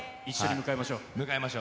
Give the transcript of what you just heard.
迎えましょう。